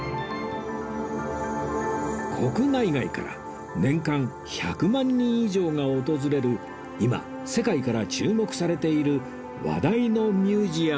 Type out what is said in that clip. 国内外から年間１００万人以上が訪れる今世界から注目されている話題のミュージアムなんです